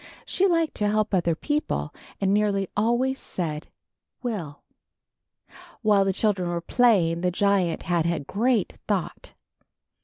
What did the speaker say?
She liked to help other people, and nearly always said, will.'' While the children were playing, the giant had a great thought.